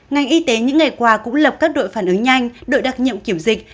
ngành y tế những ngày qua cũng lập các đội phản ứng nhanh đội đặc nhiệm kiểm dịch